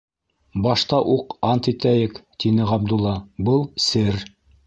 - Башта уҡ ант итәйек, - тине Ғабдулла, - был - сер.